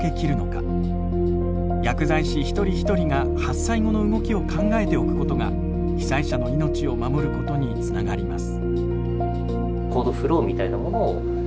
薬剤師一人一人が発災後の動きを考えておくことが被災者の命を守ることにつながります。